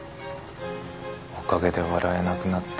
おかげで笑えなくなった。